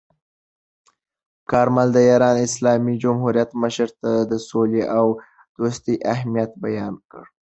کارمل د ایران اسلامي جمهوریت مشر ته د سولې او دوستۍ اهمیت بیان کړ.